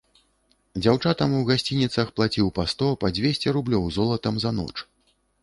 Дзяўчатам у гасцініцах плаціў па сто, па дзвесце рублёў золатам за ноч.